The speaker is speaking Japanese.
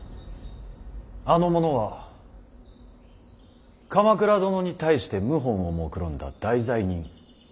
あの者は鎌倉殿に対して謀反をもくろんだ大罪人。